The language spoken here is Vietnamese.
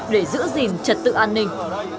để giữ gìn trật tự an ninh